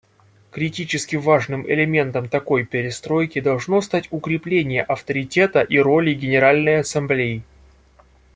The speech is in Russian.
Критически важным элементом такой перестройки должно стать укрепление авторитета и роли Генеральной Ассамблеи.